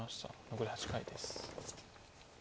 残り８回です。